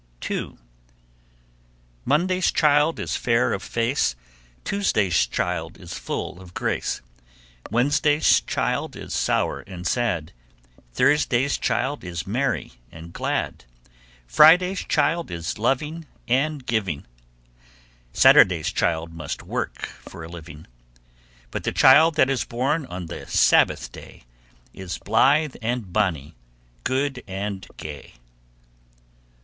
_ 2. Monday's child is fair of face, Tuesday's child is full of grace, Wednesday's child is sour and sad, Thursday's child is merry and glad, Friday's child is loving and giving, Saturday's child must work for a living; But the child that is born on the Sabbath day Is blithe and bonny, good and gay.